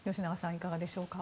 いかがでしょうか。